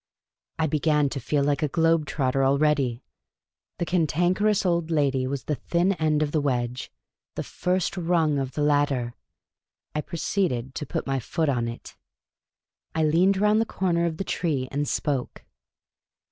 I began to feel like a globe trotter already ; the Cantankerous Old Lady was the thin end of the wedge — the first rung of the ladder ! I pro ceeded to put my foot on it. I leaned around the corner of the tree and spoke.